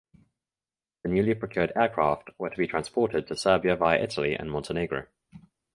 The newly procured aircraft were to be transported to Serbia via Italy and Montenegro.